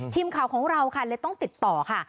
ทีมข่าวของเราค่ะเลยต้องติดต่อค่ะ